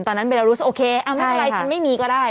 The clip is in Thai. ตอนนั้นเบลารุสโอเคไม่ทำไมฉันไม่มีก็ได้